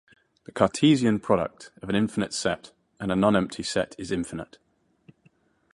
The Cartesian product of an infinite set and a nonempty set is infinite.